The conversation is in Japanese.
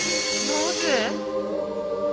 なぜ。